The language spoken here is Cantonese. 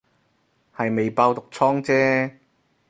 係未爆毒瘡姐